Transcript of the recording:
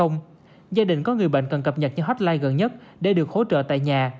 gia đình có người bệnh cần cập nhật cho hotline gần nhất để được hỗ trợ tại nhà